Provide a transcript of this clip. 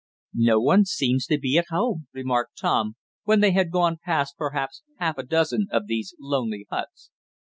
"No one seems to be at home," remarked Tom, when they had gone past perhaps half a dozen of these lonely huts.